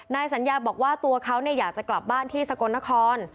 นายสัญญาบอกว่าตัวเขาอยากจะกลับบ้านที่สกลนคร